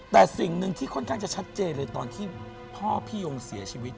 แต่สิ่งหนึ่งที่ค่อนข้างจะชัดเจนเลยตอนที่พ่อพี่ยงเสียชีวิต